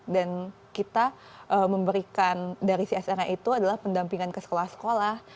dan kita memberikan dari csr nya itu adalah pendampingan ke sekolah sekolah